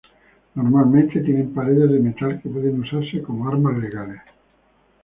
Normalmente tienen paredes de metal que puede usarse como armas legales.